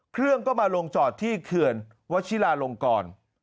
เครื่องก็มาลงจอดที่เขื่อนวัชิลาลงกร